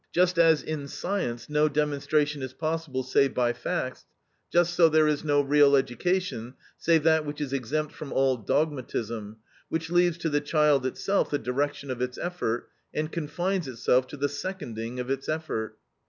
Just as in science no demonstration is possible save by facts, just so there is no real education save that which is exempt from all dogmatism, which leaves to the child itself the direction of its effort, and confines itself to the seconding of its effort.